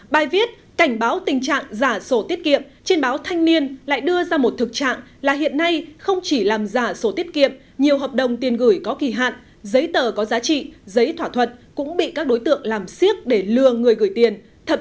bài viết cảnh báo tình trạng giả sổ tiết kiệm trên báo thanh niên lại đưa ra một thực trạng là hiện nay không chỉ làm giả sổ tiết kiệm nhiều hợp đồng tiền gửi có kỳ hạn giấy tờ có giá trị giấy thỏa thuận cũng bị các đối tượng làm siết để lừa người gửi tiền